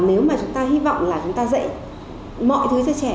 nếu mà chúng ta hy vọng là chúng ta dạy mọi thứ cho trẻ